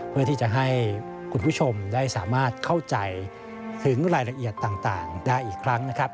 เพื่อที่จะให้คุณผู้ชมได้สามารถเข้าใจถึงรายละเอียดต่างได้อีกครั้งนะครับ